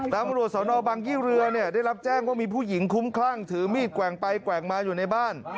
ตำรวจสนบังยี่เรือเนี่ยได้รับแจ้งว่ามีผู้หญิงคุ้มคลั่งถือมีดแกว่งไปแกว่งมาอยู่ในบ้าน